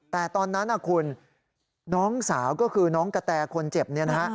แต่ตอนนั้นคุณน้องสาวก็คือน้องกะแตคนเจ็บเนี่ยนะฮะ